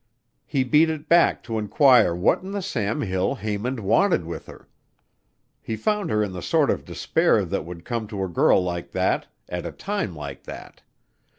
He beat it back to inquire what in the Sam Hill Haymond wanted with her? He found her in the sort of despair that would come to a girl like that at a time like that.